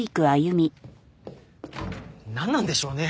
なんなんでしょうね？